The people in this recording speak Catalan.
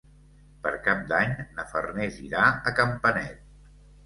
Per Cap d'Any na Farners irà a Campanet.